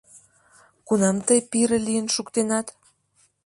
Кунам тый пире лийын шуктенат?